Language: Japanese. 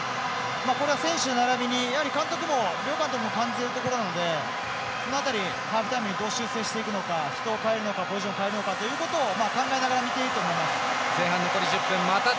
これは選手ならびに両監督も勘付いているところなのでその辺りハーフタイムどういうふうに修正していくのか人を代えるのかシステムを変えるのか考えながら見ていいと思います。